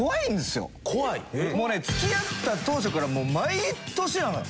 もうね付き合った当初から毎年なのよ！